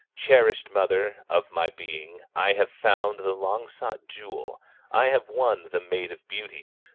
"Cherished mother of my being, I have found the long sought jewel, I have won the Maid of Beauty.